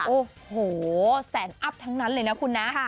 โอ้โหแสนอัพทั้งนั้นเลยนะคุณนะ